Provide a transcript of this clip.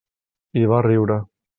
I va riure.